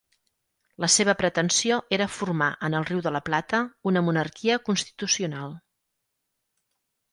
La seva pretensió era formar en el Riu de la Plata una monarquia constitucional.